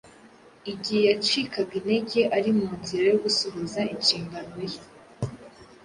Igihe yacikaga intege ari mu nzira yo gusohoza inshingano ye,